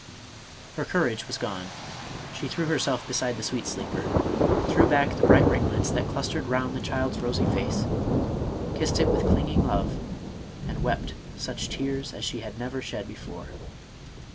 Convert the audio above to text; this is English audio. Her courage was gone ; she threw herself beside the sweet sleeper, threw back the bright ringlets that clustered round the child's rosy face, kissed it with clinging love and wept such tears as she had never shed before.